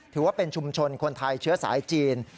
ถือว่าเป็นชุมชนคนไทยเชื้อสายจีน